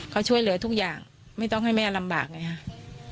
เขาช่วยเหลือทุกอย่างไม่ต้องให้แม่ลำบากไงค่ะ